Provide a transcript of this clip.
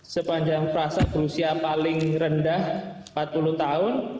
sepanjang prasa berusia paling rendah empat puluh tahun